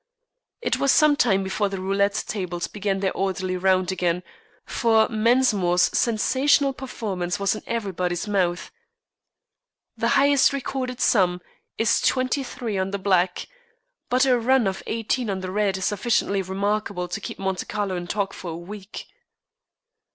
It was some time before the roulette tables began their orderly round again, for Mensmore's sensational performance was in everybody's mouth. The highest recorded sum is twenty three on the black, but a run of eighteen on the red is sufficiently remarkable to keep Monte Carlo in talk for a week.